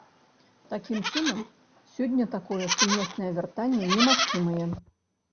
Такім чынам, сёння такое сумеснае вяртанне немагчымае.